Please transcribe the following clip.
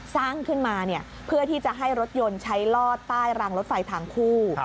สร้างขึ้นมาเพื่อที่จะให้รถยนต์ใช้ลอดใต้รางรถไฟทางคู่